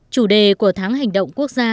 chủ đề của tháng hành động quốc gia